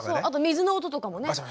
あと水の音とかもね。